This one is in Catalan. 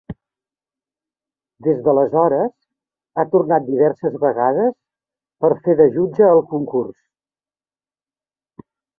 Des d'aleshores, ha tornat diverses vegades per fer de jutge al concurs.